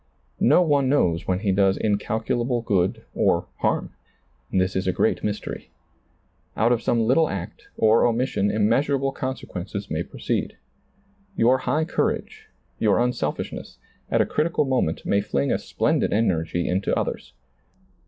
No one knows when he does incalculable good or harm. This is a great mystery. Out of some little act or omission im measurable consequences may proceed. Your high courage, your unselfishness, at a critical moment may fling a splendid energy into others.